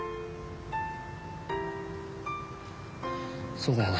そうだよな。